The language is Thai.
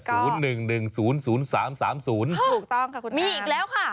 ถูกต้องค่ะคุณครับ